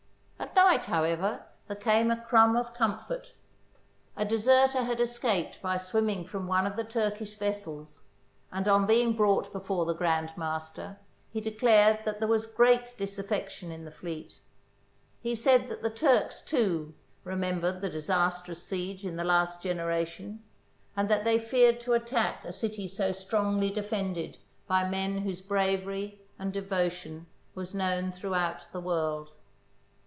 At night, however, there came a crumb of com fort. A deserter had escaped by swimming from one of the Turkish vessels, and on being brought before the Grand Master he declared that there was great disaffection in the fleet. He said that the Turks, too, THE BOOK OF FAMOUS SIEGES remembered the disastrous siege in the last genera tion, and that they feared to attack a city so strong ly defended by men whose bravery and devotion was known throughout the world.